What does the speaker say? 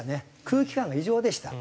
空気感が異常でした。